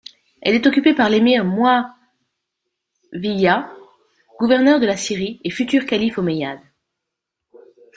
Elle est occupée par l'émir Mu`âwiya gouverneur de la Syrie et futur calife omeyyade.